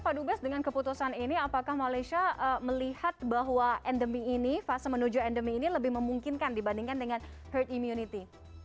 pak dubes dengan keputusan ini apakah malaysia melihat bahwa endemi ini fase menuju endemi ini lebih memungkinkan dibandingkan dengan herd immunity